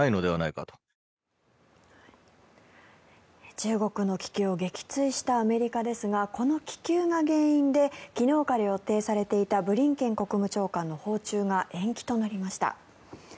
中国の気球を撃墜したアメリカですがこの気球が原因で昨日から予定されていたブリンケン国務長官の訪中が延期となりました。